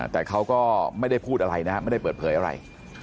แต่เขาก็ไม่ได้พูดอะไรนะครับไม่ได้เปิดเผยอะไร